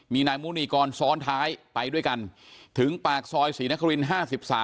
มีนายมุนีกรซ้อนท้ายไปด้วยกันถึงปากซอยศรีนคริน๕๓